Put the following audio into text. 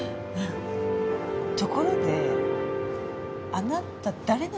ところであなた誰なんですか？